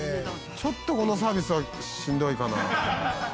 ちょっとこのサービスはしんどいかな。